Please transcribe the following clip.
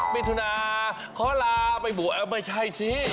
๒๑มิถุนาเค้าราบวชไม่ใช่ซิ